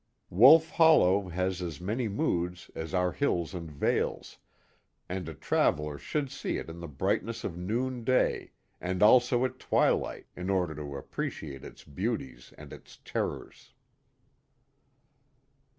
Wolf Hollow has as many moods as our hills and vales, and a traveller should see it in the brightness of noonday and also at twilight 'n order to appreciate its beauties and its terrors.